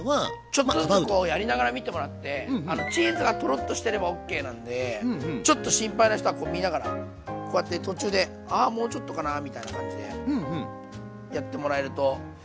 ちょっとずつこうやりながら見てもらってチーズがトロッとしてればＯＫなんでちょっと心配な人はこう見ながらこうやって途中で「あもうちょっとかな？」みたいな感じでやってもらえるといいと思います。